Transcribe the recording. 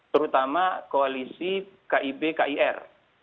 terutama koalisi kib kir